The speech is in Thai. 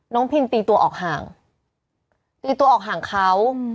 พินตีตัวออกห่างตีตัวออกห่างเขา